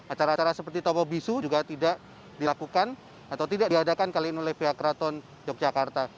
acara acara seperti topo bisu juga tidak dilakukan atau tidak diadakan kali ini oleh pihak keraton yogyakarta